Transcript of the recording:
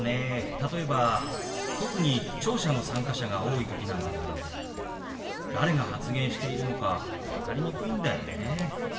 例えば特に聴者の参加者が多い時なんだけど誰が発言しているのか分かりにくいんだよね。